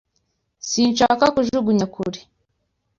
Sinshaka kujugunya kure.